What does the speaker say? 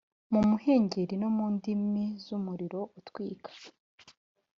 mu muhengeri no mu ndimi z’umuriro utwika.